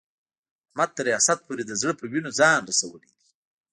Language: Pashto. احمد تر ریاست پورې د زړه په وینو ځان رسولی دی.